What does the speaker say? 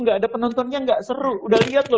gak ada penontonnya gak seru udah lihat loh